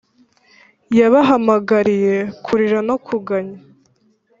yabahamagariye kurira no kuganya,